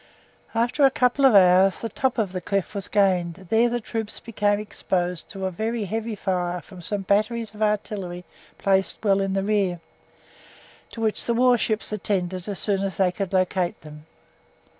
After a couple of hours the top of the cliff was gained; there the troops became exposed to a very heavy fire from some batteries of artillery placed well in the rear, to which the warships attended as soon as they could locate them.